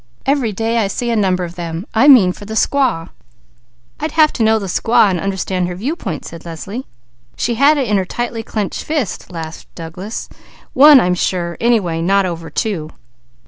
Every day I see a number of them. I mean for the squaw." "I'd have to know the squaw and understand her viewpoint," said Leslie. "She had it in her tightly clenched fist," laughed Douglas. "One, I'm sure; anyway, not over two."